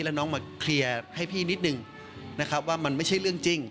แล้วน้องมาเคลียร์ให้พี่นิดนึงนะครับว่ามันไม่ใช่เรื่องจริง